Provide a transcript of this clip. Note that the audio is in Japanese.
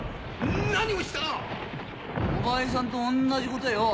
何をした⁉お前さんと同じことよ。